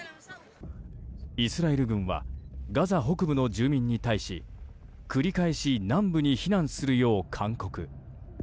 イスラエル軍はガザ北部の住民に対し繰り返し南部に避難するよう勧告。